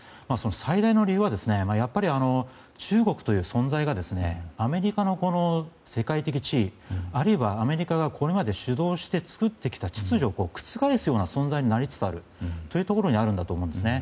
最大の理由は中国という存在がアメリカの世界的地位あるいは、アメリカがこれまで主導して作ってきた秩序を覆すような存在になりつつあるというところにあるんだと思うんですね。